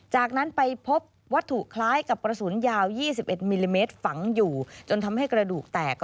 จากนั้นไปพบวัตถุคล้ายกับกระสุนยาว๒๑มิลลิเมตรฝังอยู่